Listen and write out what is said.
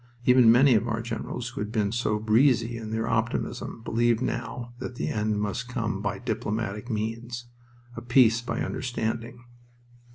Even many of our generals who had been so breezy in their optimism believed now that the end must come by diplomatic means a "peace by understanding."